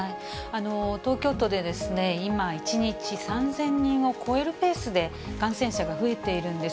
東京都で今、１日３０００人を超えるペースで、感染者が増えているんです。